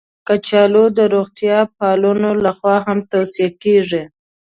کچالو د روغتیا پالانو لخوا هم توصیه کېږي